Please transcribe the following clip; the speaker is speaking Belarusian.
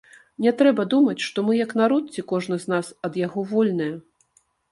Не трэба думаць, што мы як народ ці кожны з нас ад яго вольныя.